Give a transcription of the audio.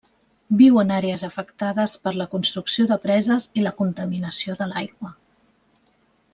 Viu en àrees afectades per la construcció de preses i la contaminació de l'aigua.